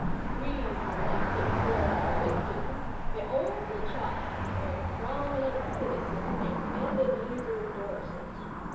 We selected for our victim the only child of a prominent citizen named Ebenezer Dorset.